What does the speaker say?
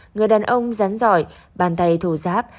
người đàn ông rắn giỏi bàn tay thổ giáp